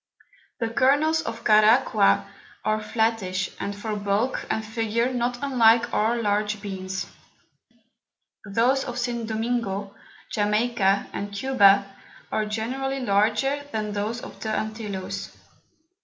The Kernels of Caraqua are flattish, and for Bulk and Figure not unlike our large Beans. Those of St. Domingo, Jamaica, and Cuba, are generally larger than those of the Antilloes.